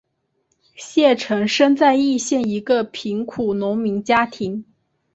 谢臣生在易县一个贫苦农民家庭。